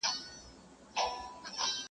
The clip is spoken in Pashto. پوره کړی مي د سپي غریب وصیت دی,